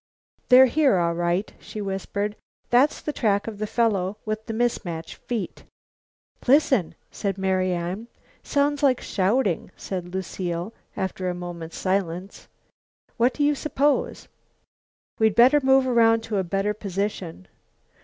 "They're here, all right," she whispered. "That's the track of the fellow with the mis mate feet." "Listen!" said Marian. "Sounds like shouting," said Lucile, after a moment's silence. "What do you suppose?" "We'd better move around to a better position."